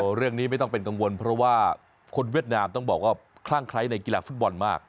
เรื่องนี้ไม่ต้องเป็นกังวลเพราะว่าคนเวียดนามต้องบอกว่าคลั่งไคร้ในกีฬาฟุตบอลมาก